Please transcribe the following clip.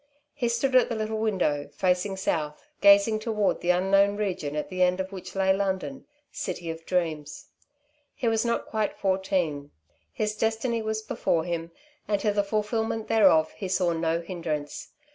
He stood at the little window, facing south, gazing toward the unknown region at the end of which lay London, city of dreams. He was not quite fourteen. His destiny was before him, and to the fulfilment thereof he saw no hindrance.